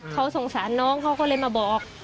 เขาสงสารน้องเขาก็เลยมาบอก